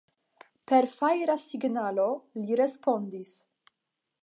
Per fajra signalo, li respondis.